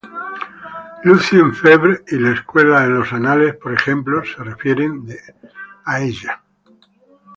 Lucien Febvre y la Escuela de los Annales por ejemplo se refieren de ella.